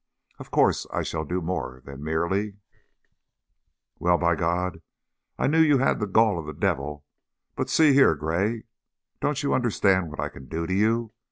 Of course I shall do more than merely " "Well, by God! I knew you had the gall of the devil, but See here, Gray, don't you understand what I can do to you?